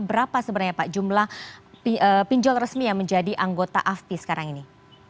berapa sebenarnya pak jumlah pinjol resmi yang menjadi anggota afti sekarang ini